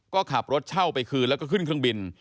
ก็ขับรถเช่าไปคืนแล้วก็ขึ้นเครื่องบิน